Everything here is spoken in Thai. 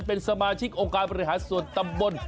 เป็นสมาชิกโอกาสปริหารส่วนตะบ้น